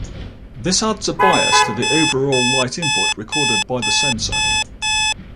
This adds a bias to the overall light input recorded by the sensor.